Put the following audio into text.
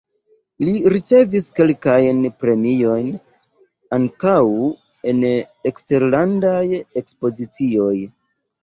Li ricevis kelkajn premiojn, ankaŭ en eksterlandaj ekspozicioj.